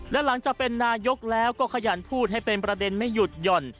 และหลังจากเป็นนายกแล้วก็ขยันพูดให้เป็นประเด็นไม่หยุดหย่อน